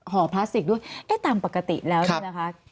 ห่อพลาสติกด้วยแต่ตามปกติแล้วนะคะ